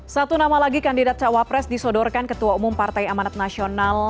satu nama lagi kandidat cawapres disodorkan ketua umum partai amanat nasional